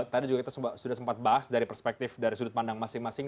tadi juga kita sudah sempat bahas dari perspektif dari sudut pandang masing masing